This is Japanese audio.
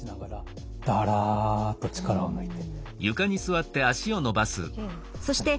だらっと力を抜いて。